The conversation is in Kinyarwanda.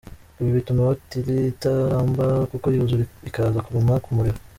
Ibi bituma batiri itaramba kuko yuzura ikaza kuguma ku muriro.